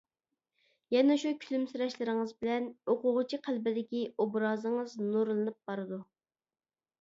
يەنە شۇ كۈلۈمسىرەشلىرىڭىز بىلەن ئوقۇغۇچى قەلبىدىكى ئوبرازىڭىز نۇرلىنىپ بارىدۇ.